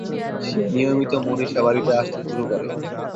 সে নিয়মিত মনীষা বাড়িতে আসতে শুরু করে।